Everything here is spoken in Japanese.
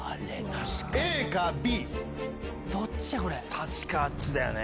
確かあっちだよね。